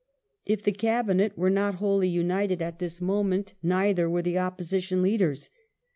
If the Cabinet were not wholly united at this moment, neither were the Opposition leadei's.